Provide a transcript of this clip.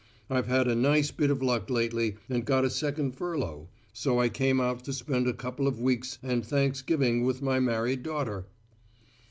I've had a nice bit of luck lately and got a second furlough, so I came out to spend a couple of weeks and Thanksgiving with my married daughter."